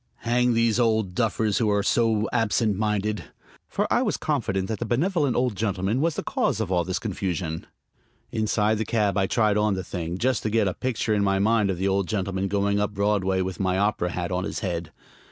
Hang these old duffers who are so absent minded! For I was confident that the benevolent old gentleman was the cause of all this confusion. Inside the cab I tried on the thing, just to get a picture in my mind of the old gentleman going it up Broadway with my opera hat on his head.